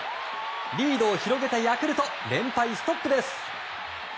リードを広げたヤクルト連敗ストップです。